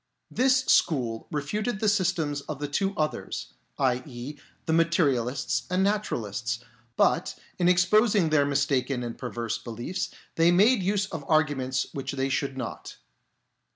This school refuted the systems of the two others, i.e. the Materialists and Naturalists ; but in ex posing their mistaken and perverse beliefs, they made use of arguments which they should not.